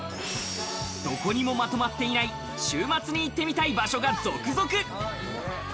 どこにもまとまっていない週末に行ってみたい場所が続々！